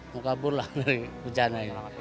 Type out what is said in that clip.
mau kabur lah dari hujan